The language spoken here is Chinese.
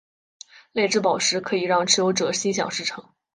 泪之宝石可以让持有者心想事成。